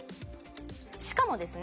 しかもですね